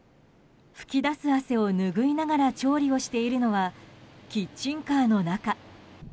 噴き出す汗をぬぐいながら調理をしているのはキッチンカーの中。